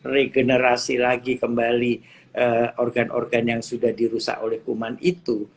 regenerasi lagi kembali organ organ yang sudah dirusak oleh kuman itu